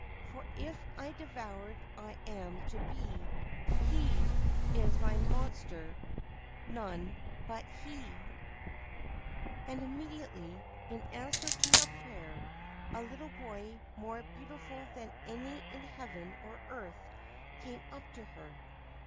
For, if devoured I am to be, Hew my monster none but he !' And immediately, in answer to her prayer, a little boy more beautiful than any in heaven or earth came up to her.